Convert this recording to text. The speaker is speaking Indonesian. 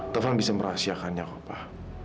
tuhan bisa merahsiakannya pak